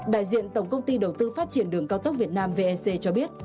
đại diện tổng công ty đầu tư phát triển đường cao tốc việt nam vec cho biết